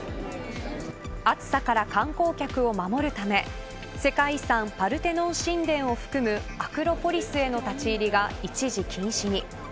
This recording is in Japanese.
暑さから観光客を守るため世界遺産、パルテノン神殿を含むアクロポリスへの立ち入りが一時禁止に。